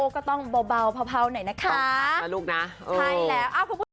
โอ้ก็ต้องเบาเบาเผาเผาหน่อยนะคะลูกน่ะใช่แล้ว